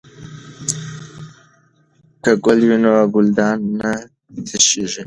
که ګل وي نو ګلدان نه تشیږي.